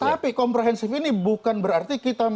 tapi komprehensiveness ini bukan berarti kita menghilangkan